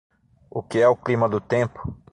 O que é o clima do tempo?